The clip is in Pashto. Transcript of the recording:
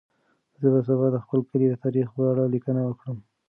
زه به سبا د خپل کلي د تاریخ په اړه لیکنه وکړم.